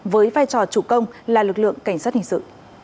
với vai trò chủ công là lực lượng cảnh sát hình sự